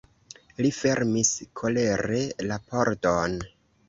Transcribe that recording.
Li fermis kolere la pordon.